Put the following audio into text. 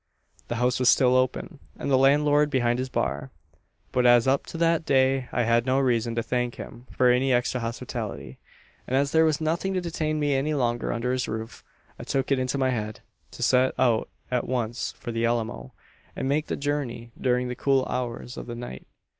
"The house was still open, and the landlord behind his bar; but as up to that day I had no reason to thank him for any extra hospitality, and as there was nothing to detain me any longer under his roof, I took it into my head to set out at once for the Alamo, and make the journey during the cool hours of the night.